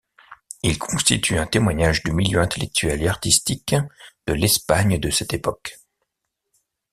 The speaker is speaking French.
Ils constituent un témoignage du milieu intellectuel et artistique de l’Espagne de cette époque.